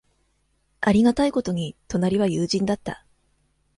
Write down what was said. ありがたいことに、隣は友人だった。